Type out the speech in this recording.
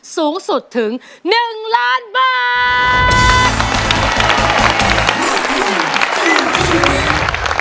สูงสุดถึง๑ล้านบาท